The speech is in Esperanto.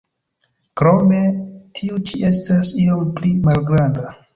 Krome tiu ĉi estas iom pli malgranda.